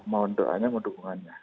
maaf doanya mau dukungannya